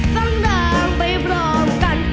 ฟังร้างไปพร้อมกัน